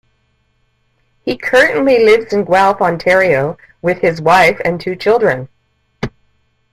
He currently lives in Guelph, Ontario with his wife and two children.